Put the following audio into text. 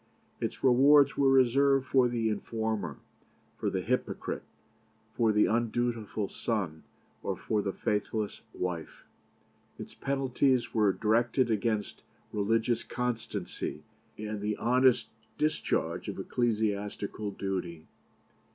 Its rewards were reserved for the informer, for the hypocrite, for the undutiful son, or for the faithless wife. Its penalties were directed against religious constancy and the honest discharge of ecclesiastical duty.